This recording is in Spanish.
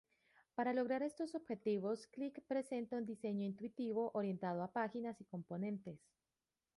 Para lograr estos objetivos, Click presenta un diseño intuitivo, orientado a páginas y componentes.